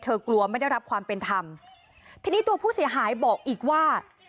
กลัวไม่ได้รับความเป็นธรรมทีนี้ตัวผู้เสียหายบอกอีกว่า